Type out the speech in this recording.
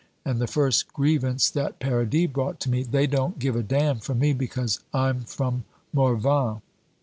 and the first grievance that Paradis brought to me, "They don't give a damn for me, because I'm from Morvan!"